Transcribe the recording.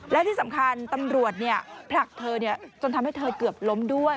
และที่สำคัญตำรวจผลักเธอจนทำให้เธอเกือบล้มด้วย